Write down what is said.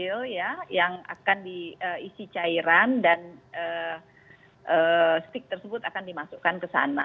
ada botol kecil yang akan diisi cairan dan stick tersebut akan dimasukkan ke sana